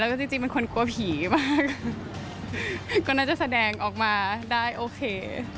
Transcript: แล้วก็จริงจริงเป็นคนกลัวผีมากก็น่าจะแสดงออกมาได้โอเค